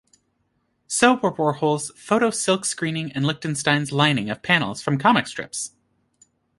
So were Warhol's photo silk-screening and Lichtenstein's lining of panels from comic strips.